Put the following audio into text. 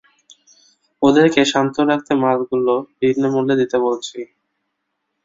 ওদেরকে শান্ত রাখতে মালগুলো বিনামূল্যে দিতে বলছি।